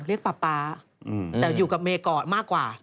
ป๊าป๊าแต่อยู่กับเมย์ก่อนมากกว่า